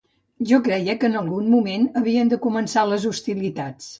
Jo creia que en algun moment havien de començar les hostilitats.